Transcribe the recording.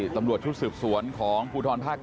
ตำรวจชุดสืบสวนของภูทรภาค๙